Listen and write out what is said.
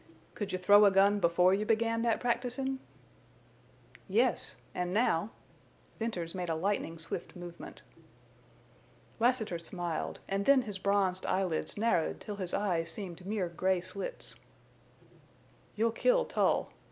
"Could you throw a gun before you began that practisin'?" "Yes. And now..." Venters made a lightning swift movement. Lassiter smiled, and then his bronzed eyelids narrowed till his eyes seemed mere gray slits. "You'll kill Tull!"